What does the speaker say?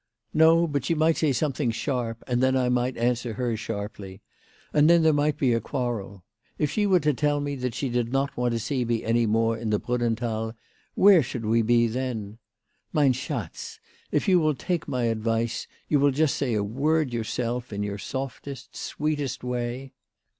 " No ; but she might say something sharp, and then I might answer her sharply. And then there might he a quarrel. If she were to tell me that she did not want to see me any more in the Brunnenthal, where should we be then ? Mein schatz, if you will take my advice, you will just say a word yourself, in your softest, sweetest way."